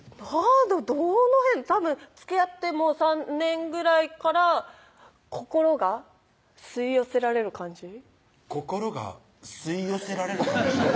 どの辺たぶんつきあってもう３年ぐらいから心が吸い寄せられる感じ心が吸い寄せられる感じ？